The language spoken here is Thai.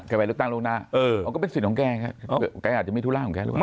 ไปเลือกตั้งล่วงหน้าเออก็เป็นสิทธิ์แกอาจจะไม่ธุระของแกหรือเปล่า